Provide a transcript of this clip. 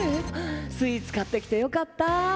スイーツ買ってきてよかった。